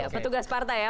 petugas partai ya